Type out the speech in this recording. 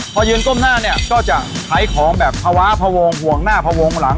พอยืนก้มหน้าเนี่ยก็จะใช้ของแบบภาวะพวงห่วงหน้าพวงหลัง